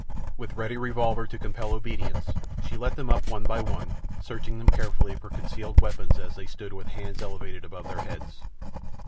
With ready revolver to compel obedience, she let them up one by one, searching them carefully for concealed weapons as they stood with hands elevated above their heads.